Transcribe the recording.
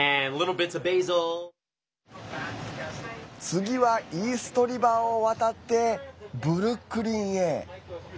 次はイーストリバーを渡ってブルックリンへ。